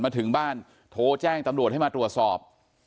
มาถึงบ้านโทรแจ้งตำรวจให้มาตรวจสอบ